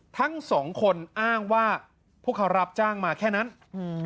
ทั้งสองคนอ้างว่าพวกเขารับจ้างมาแค่นั้นอืม